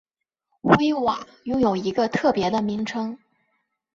威瓦拥有一个特别的名称。